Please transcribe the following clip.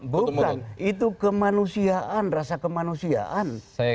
bukan itu kemanusiaan rasa kemanusiaan